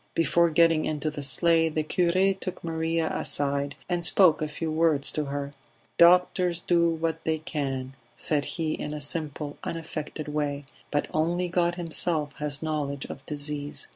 Before getting into the sleigh the cure took Maria aside and spoke a few words to her. "Doctors do what they can," said he in a simple unaffected way, "but only God Himself has knowledge of disease.